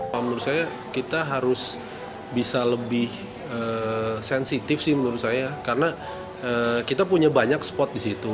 menurut saya kita harus bisa lebih sensitif sih menurut saya karena kita punya banyak spot di situ